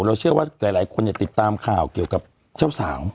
เราเชื่อว่าหลายคนติดตามข่าวเกี่ยวกับเจ้าสาว